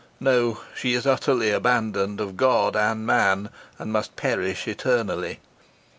No, she is utterly abandoned of God and man, and must perish eternally.